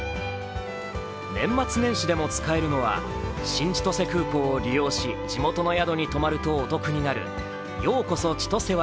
年末年始でも使えるのは、新千歳空港を利用し地元の宿に泊まるとお得になるようこそ・ちとせ割